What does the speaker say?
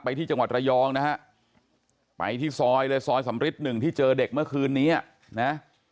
ที่จังหวัดระยองนะฮะไปที่ซอยเลยซอยสำริทหนึ่งที่เจอเด็กเมื่อคืนนี้อ่ะนะ